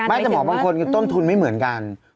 แต่หมอบางคนต้นทุนไม่เหมือนกัน